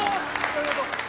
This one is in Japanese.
ありがとう！